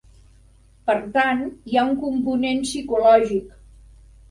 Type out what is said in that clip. Per tant, hi ha un component psicològic.